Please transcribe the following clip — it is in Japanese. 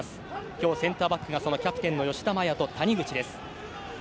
今日、センターバックがキャプテンの吉田麻也と谷口です。